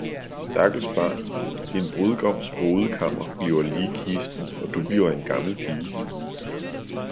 Stakkels barn, din brudgoms brudekammer bliver ligkisten, og du bliver en gammel pige.